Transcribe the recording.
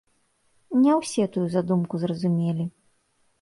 Не ўсе тую задумку зразумелі.